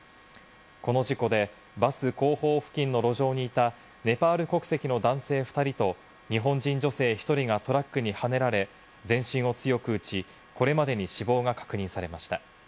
この事故でバス後方付近の路上にいたネパール国籍の男性２人と日本人女性１人がトラックにはねられ、全身を強く打ち、これまでに死亡が確認されました。